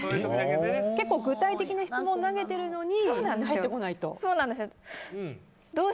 結構具体的な質問を投げてるのに返って来ないと。